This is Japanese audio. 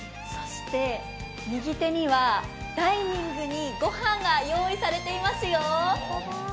右手にはダイニングに御飯が用意されていますよ。